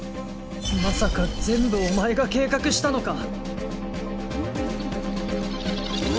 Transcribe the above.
まさか全部お前が計画したのか！？